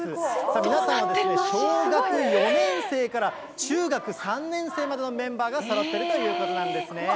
皆さんはですね、小学４年生から中学３年生までのメンバーがそろっているということなんですね。